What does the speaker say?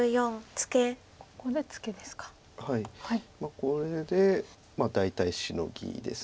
これで大体シノギです。